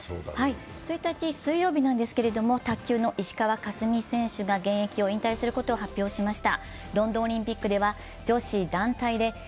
１日水曜日ですけれども、卓球の石川佳純選手が現役を引退することを発表しました。